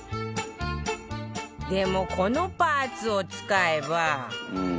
でもこのパーツを使えば